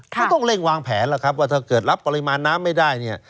ไม่ต้องเร่งวางแผนว่าถ้าเกิดรับปริมาณน้ำไม่ได้